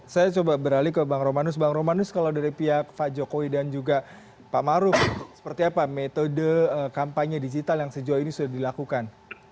saya coba beralih ke bang romanus bang romanus kalau dari pihak pak jokowi dan juga pak maruf seperti apa metode kampanye digital yang sejauh ini sudah dilakukan